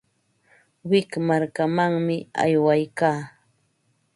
Wik markamanmi aywaykaa.